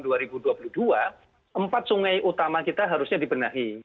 dan di tahun dua ribu dua belas empat sungai utama kita harusnya dibenahi